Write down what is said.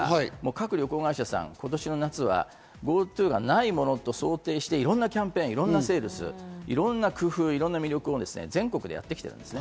各旅行会社さん、今年の夏はＧｏＴｏがないものと想定して、いろんなキャンペーン、セールス、いろんな工夫、魅力を全国でやってきてるんです。